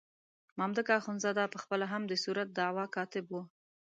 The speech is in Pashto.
مامدک اخندزاده په خپله هم د صورت دعوا کاتب وو.